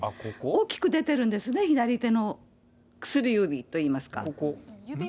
大きく出てるんですね、左手の薬指といいますか。